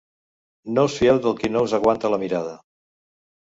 No us fieu del qui no us aguanta la mirada.